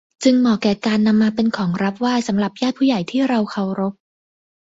จึงเหมาะแก่การนำมาเป็นของรับไหว้สำหรับญาติผู้ใหญ่ที่เราเคารพ